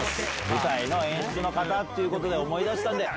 舞台の演出の方って思い出したんで。